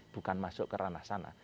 bukan masuk ke ranah sana